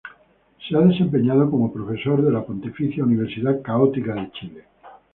Se ha desempeñado como profesor de la Pontificia Universidad Católica de Chile.